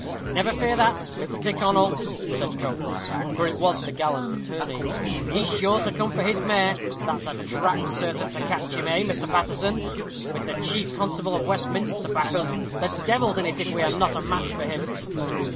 "Never fear that, Mr. Tyrconnel," said Coates; for it was the gallant attorney: "he's sure to come for his mare. That's a trap certain to catch him, eh, Mr. Paterson? With the chief constable of Westminster to back us, the devil's in it if we are not a match for him."